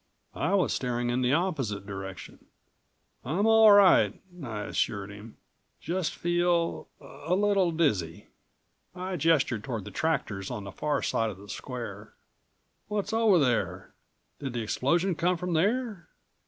I was staring in the opposite direction. "I'm all right," I assured him. "Just feel ... a little dizzy." I gestured toward the tractors on the far side of the square. "What's over there? Did the explosion come from there?"